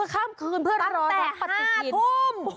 เขาก็ข้ามคืนเพื่อรอตั้งแต่ปฏิทินตั้งแต่๕ทุ่ม